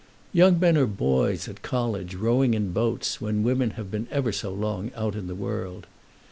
"Young men are boys at college, rowing in boats, when women have been ever so long out in the world.